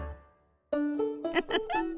ウフフ。